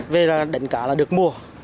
về là đánh cá là được mua